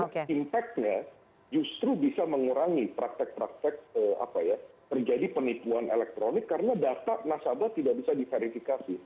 karena impactnya justru bisa mengurangi praktek praktek apa ya terjadi penipuan elektronik karena data nasabah tidak bisa diverifikasi